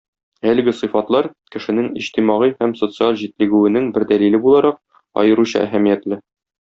Әлеге сыйфатлар кешенең иҗтимагый һәм социаль җитлегүенең бер дәлиле буларак, аеруча әһәмиятле.